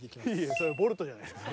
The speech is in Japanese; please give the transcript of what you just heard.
それはボルトじゃないですか。